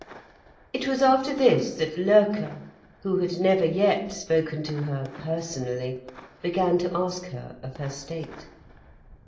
It was after this that Loerke, who had never yet spoken to her personally, began to ask her of her state.